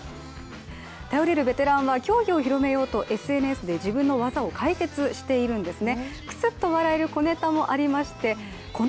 頼れるベテランは、競技を広めようとＳＮＳで自分の技を解説しているんですね。